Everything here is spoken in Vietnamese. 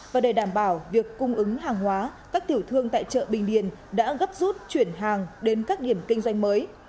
và để đảm bảo việc cung ứng hàng hóa các tiểu thương tại chợ bình điền đã gấp rút chuyển hàng đến các điểm kinh doanh mới